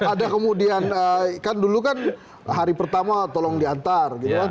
ada kemudian kan dulu kan hari pertama tolong diantar gitu kan